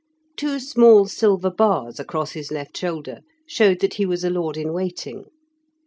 Two small silver bars across his left shoulder showed that he was a lord in waiting.